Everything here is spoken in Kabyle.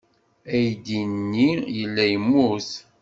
Aydi-nni yella yemmut.